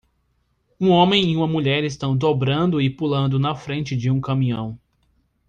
Um homem e uma mulher estão dobrando e pulando na frente de um caminhão.